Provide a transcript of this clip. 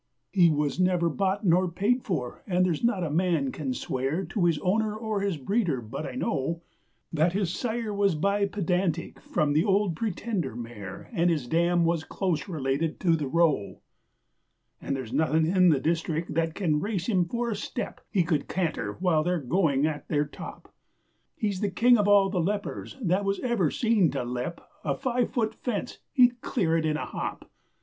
He was never bought nor paid for, and there's not a man can swear To his owner or his breeder, but I know, That his sire was by Pedantic from the Old Pretender mare And his dam was close related to The Roe. 'And there's nothing in the district that can race him for a step, He could canter while they're going at their top: He's the king of all the leppers that was ever seen to lep, A five foot fence he'd clear it in a hop!